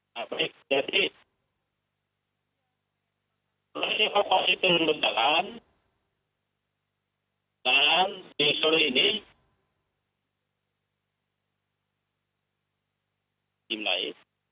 nah baik jadi